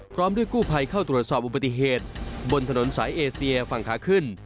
พร้อมด้วยกู้ภัยเข้าตรวจสอบอุบัติเหตุบนถนนสายเอเซียฝั่งขาขึ้น